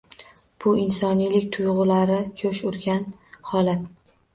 Bu insoniylik tuygʻulari joʻsh urgan holat.